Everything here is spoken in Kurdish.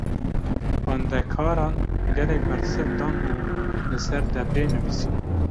Xwendekaran gelek bersiv dan û li ser depê nivîsîn.